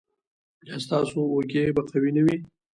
ایا ستاسو اوږې به قوي نه وي؟